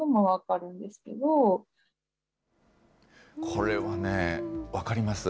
これはね、分かります。